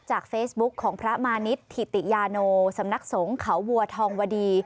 จากเฟซบุ๊กของพระมานิษฐิติยาโนสำนักสงฆ์เขาวัวทองวดี